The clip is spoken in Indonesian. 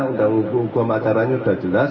uang acaranya sudah jelas